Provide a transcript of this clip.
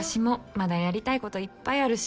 まだやりたいこといっぱいあるし